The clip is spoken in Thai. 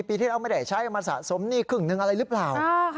ปีที่เราไม่ได้ใช้มาสะสมหนี้ครึ่งหนึ่งอะไรหรือเปล่า